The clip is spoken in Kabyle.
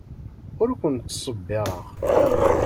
Ur ken-ttṣebbireɣ.